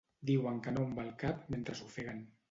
Diuen que no amb el cap mentre s'ofeguen.